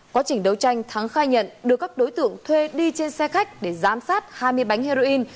quá trình đấu tranh thắng khai nhận được các đối tượng thuê đi trên xe khách để giám sát hai mươi bánh heroin